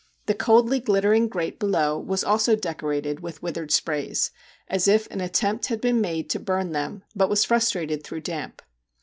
The coldly glittering grate below was also decorated with withered sprays, as if an attempt had been made to burn them, but was frustrated through damp.